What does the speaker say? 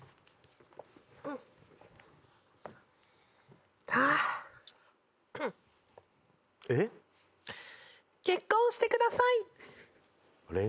うーん。結婚してください。